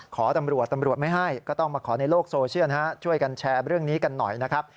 ขอตำรวจตำรวจไม่ให้ก็ต้องมาขอในโลกโซเชียลช่วยกันแชร์เรื่องนี้กันหน่อยนะครับ